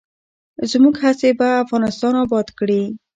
زموږ هڅې به افغانستان اباد کړي.